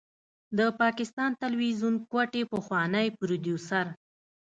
د پاکستان تلويزيون کوټې پخوانی پروديوسر